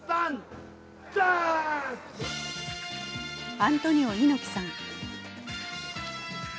アントニオ猪木さん。